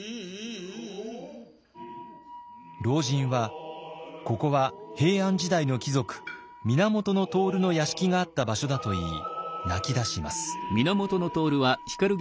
老人はここは平安時代の貴族源融の屋敷があった場所だと言い泣きだします。